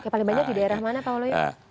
paling banyak di daerah mana pak louis